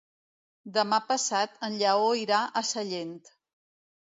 Demà passat en Lleó irà a Sallent.